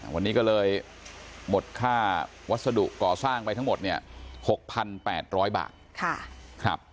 วันนี้ก็เลยหมดค่าวัสดุก่อสร้างไปทั้งหมดเนี่ยหกพันแปดร้อยบาทค่ะครับ